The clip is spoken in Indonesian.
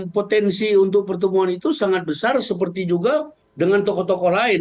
potensi untuk pertemuan itu sangat besar seperti juga dengan tokoh tokoh lain